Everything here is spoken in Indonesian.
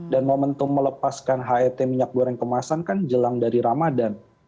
dan momentum melepaskan het minyak goreng kemasan kan jelang dari ramadan